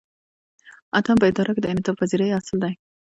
اتم په اداره کې د انعطاف پذیری اصل دی.